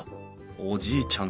おじいちゃん